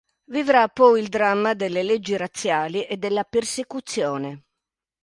Vivrà poi il dramma delle leggi razziali e della persecuzione.